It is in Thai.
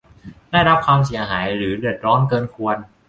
ได้รับความเสียหายหรือเดือดร้อนเกินควร